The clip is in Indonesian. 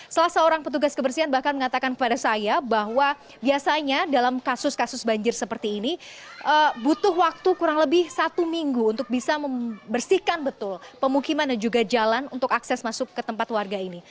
salah seorang petugas kebersihan bahkan mengatakan kepada saya bahwa biasanya dalam kasus kasus banjir seperti ini butuh waktu kurang lebih satu minggu untuk bisa membersihkan betul pemukiman dan juga jalan untuk akses masuk ke tempat warga ini